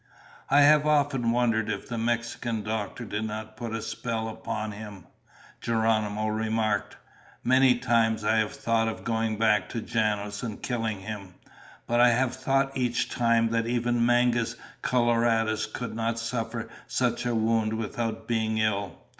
"I have often wondered if the Mexican doctor did not put a spell upon him," Geronimo remarked. "Many times I have thought of going back to Janos and killing him. But I have thought each time that even Mangus Coloradus could not suffer such a wound without being ill.